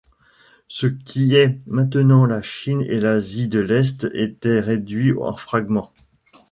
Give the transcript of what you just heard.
Ce qui est maintenant la Chine et l'Asie de l'Est étaient réduits en fragments.